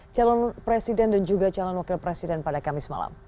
calon presiden dan juga calon wakil presiden pada kamis malam